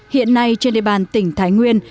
hiện nay trên địa bàn tỉnh thái nguyên